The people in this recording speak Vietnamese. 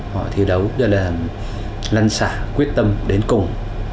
họ thi đấu rất là lăn xả quyết tâm đến cùng